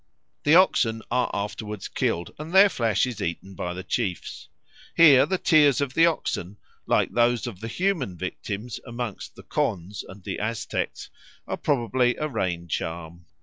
The oxen are afterwards killed, and their flesh is eaten by the chiefs. Here the tears of the oxen, like those of the human victims amongst the Khonds and the Aztecs, are probably a rain charm.